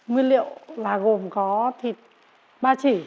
nguyên liệu là gồm có thịt ba chỉ